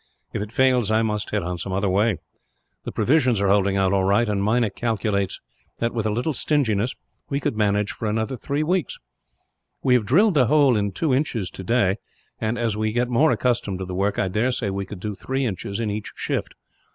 If it fails, I must hit on some other way. The provisions are holding out all right; and Meinik calculates that, with a little stinginess, we could manage for another three weeks. We have drilled the hole in two inches today and, as we get more accustomed to the work, I dare say we could do three inches in each shift.